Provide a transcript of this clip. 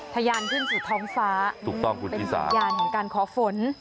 ทะยานขึ้นสุท้องฟ้าถูกต้องคุณอุชิสาเป็นสุดยานของการขอฝน